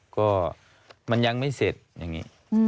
ก็มันยังไม่เสร็จอย่างนี้